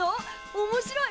おもしろい！